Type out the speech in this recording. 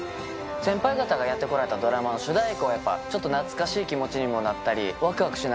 先輩方がやってこられたドラマの主題歌をやっぱりちょっと懐かしい気持ちにもなったり。